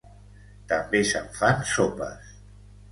També se'n fan sopes.